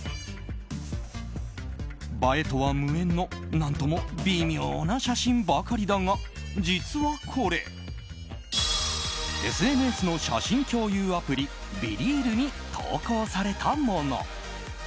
映えとは無縁の何とも微妙な写真ばかりだが実はこれＳＮＳの写真共有アプリ「ＢｅＲｅａｌ」に投稿されたもの。